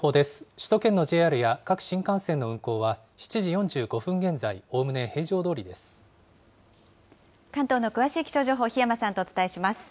首都圏のＪＲや各新幹線の運行は７時４５分現在、関東の詳しい気象情報、檜山さんとお伝えします。